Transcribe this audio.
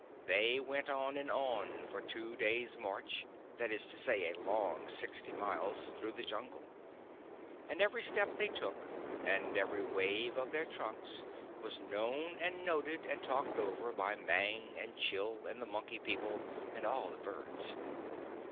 They went on and on for two days' march that is to say, a long sixty miles through the Jungle; and every step they took, and every wave of their trunks, was known and noted and talked over by Mang and Chil and the Monkey People and all the birds.